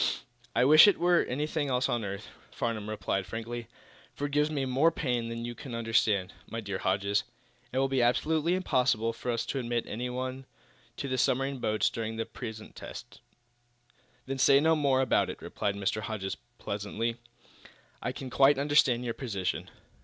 "I wish it were anything else on earth," Farnum replied, frankly. "For, though it gives me more pain than you can understand, my dear Mr. Hodges, it will be absolutely impossible for us to admit anyone to the submarine boats during the present tests." "Then say no more about it," replied Mr. Hodges, pleasantly. "I can quite understand your position."